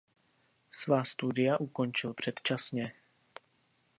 Svá studia ukončil předčasně.